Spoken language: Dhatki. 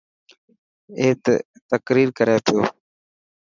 اي تقرير ڪري پيو.